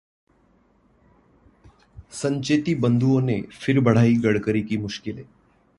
संचेती बंधुओं ने फिर बढ़ाई गडकरी की मुश्किलें